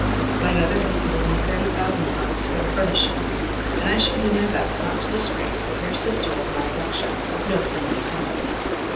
My mother has given me thirty thousand francs for the furnishing, and I shall do my best not to disgrace the dear sister of my election no pun intended.